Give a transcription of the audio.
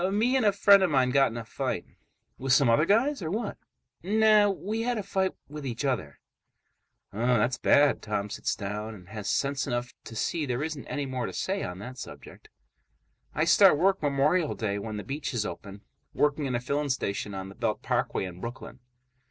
"Me and a friend of mine got in a fight." "With some other guys or what?" "Nah. We had a fight with each other." "Um, that's bad." Tom sits down and has sense enough to see there isn't anymore to say on that subject. "I start work Memorial Day, when the beaches open. Working in a filling station on the Belt Parkway in Brooklyn."